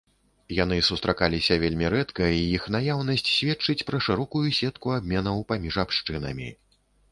Яны сустракаліся вельмі рэдка, і іх наяўнасць сведчыць пра шырокую сетку абменаў паміж абшчынамі.